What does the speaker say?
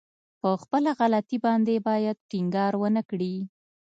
په خپله غلطي باندې بايد ټينګار ونه کړي.